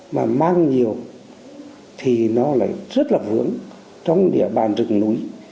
mà mang nhiều thì nó lại rất là vướng trong địa bàn rừng núi